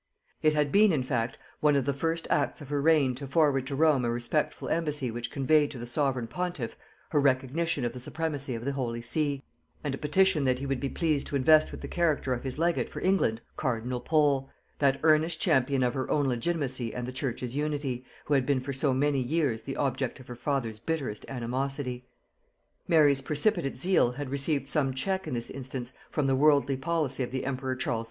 It had been, in fact, one of the first acts of her reign to forward to Rome a respectful embassy which conveyed to the sovereign pontiff her recognition of the supremacy of the holy see, and a petition that he would be pleased to invest with the character of his legate for England Cardinal Pole, that earnest champion of her own legitimacy and the church's unity, who had been for so many years the object of her father's bitterest animosity. Mary's precipitate zeal had received some check in this instance from the worldly policy of the emperor Charles V.